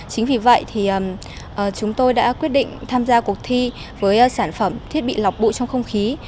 chính vì vậy chúng tôi đã quyết định tham gia cuộc thi với sản phẩm thiết bị lọc bụi trong không khí